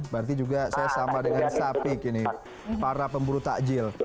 berarti juga saya sama dengan sapik ini para pemburu takjil